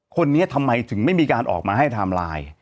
คนนี้ทำไมถึงไม่มีการออกมาให้ไทม์ไลน์